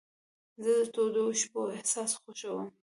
زه د تودو شپو احساس خوښوم.